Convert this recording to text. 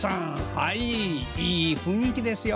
はいいい雰囲気ですよ。